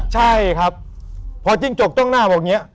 ใช่ครับพอจิ้งจกจ้องหน้าบอกอย่างนี้